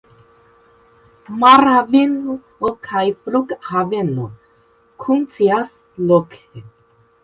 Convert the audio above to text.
Marhaveno kaj flughaveno funkcias loke.